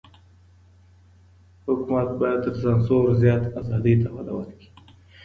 حکومت بايد تر سانسور زيات ازادۍ ته وده ورکړي.